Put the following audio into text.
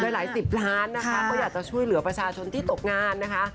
หลายสิบล้านนะคะก็อยากจะช่วยเหลือประชาชนที่ตกงานนะคะ